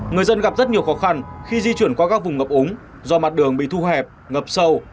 người dân gặp rất nhiều khó khăn khi di chuyển qua các vùng ngập úng do mặt đường bị thu hẹp ngập sâu